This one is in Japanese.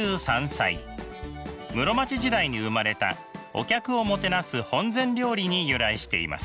室町時代に生まれたお客をもてなす本膳料理に由来しています。